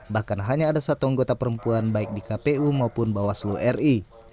bahkan hanya ada satu anggota perempuan baik di kpu maupun bawaslu ri